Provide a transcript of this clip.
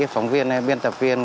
phóng viên biên tập viên